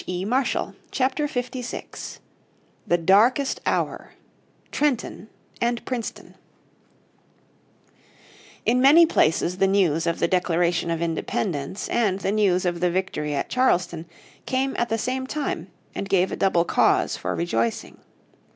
__________ Chapter 56 The Darkest Hour Trenton and Princeton In many places the news of the Declaration of Independence and the news of the victory at Charleston came at the same time, and gave a double cause for rejoicing.